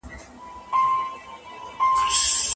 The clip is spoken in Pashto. هر ماځيگر تبه، هره غرمه تبه